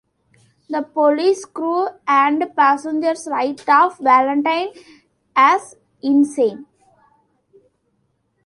The police, crew, and passengers write off Valentine as insane.